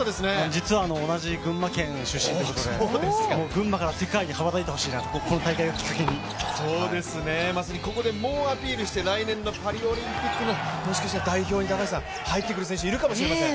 実は同じ群馬県出身と言うことで、世界に羽ばたいてほしいなと、まさにここで猛アピールして来年のパリオリンピックのもしかしたら代表に入ってくる選手がいるかもしれません。